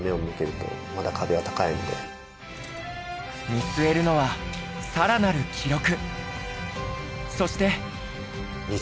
見据えるのはさらなる記録。